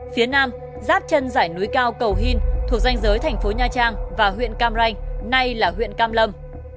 phía nam giáp chân giải núi cao cầu hìn thuộc danh giới thành phố nha trang và huyện cam ranh nay là huyện cam lâm